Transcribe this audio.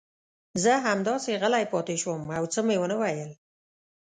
زه همداسې غلی پاتې شوم او څه مې ونه ویل.